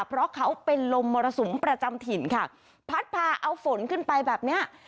เพราะเขาเป็นลมมรสุมประจำถิ่นค่ะพัดพาเอาฝนขึ้นไปแบบเนี้ย